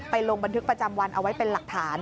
ลงบันทึกประจำวันเอาไว้เป็นหลักฐาน